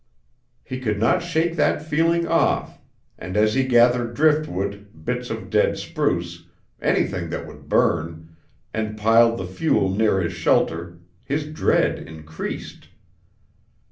He could not shake that feeling off, and as he gathered driftwood, bits of dead spruce anything that would burn, and piled the fuel near his shelter his dread increased.